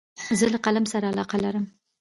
زه له قلم سره علاقه لرم.